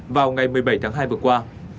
vào ngày một mươi bảy tháng hai vừa qua